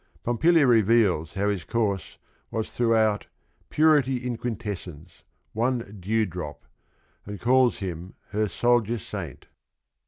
Pompilia reveals how his course was throughout "Purity in quintes sence — one dew drop," and calls him her "sol dier saint."